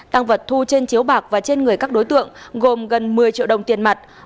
tăng vật thu trên chiếu bạc và trên người các đối tượng gồm gần một mươi triệu đồng tiền mặt